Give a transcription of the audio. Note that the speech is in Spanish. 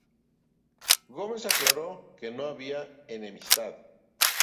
Gómez aclaró que no había enemistad.